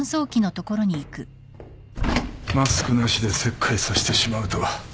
マスクなしで切開させてしまうとは。